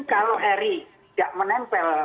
kalau erick tidak menempel